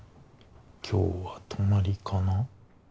今日は泊まりかな？